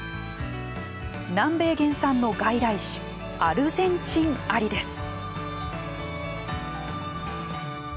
南米原産の外来種アルゼンチンアリです。